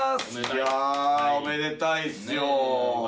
いやおめでたいっすよ